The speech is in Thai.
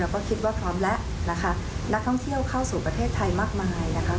ก็คิดว่าพร้อมแล้วนะคะนักท่องเที่ยวเข้าสู่ประเทศไทยมากมายนะคะ